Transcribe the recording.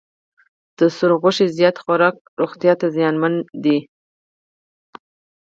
د سور غوښې زیات خوراک روغتیا ته زیانمن دی.